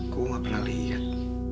gue gak pernah liat